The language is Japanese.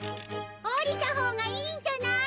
下りた方がいいんじゃない？